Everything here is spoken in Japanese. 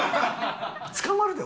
捕まるで？